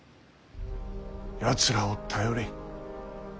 やつらを頼れ。